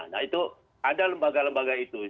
nah itu ada lembaga lembaga itu